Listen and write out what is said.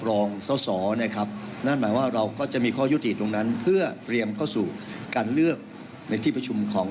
ของการเลือกในที่ประชุม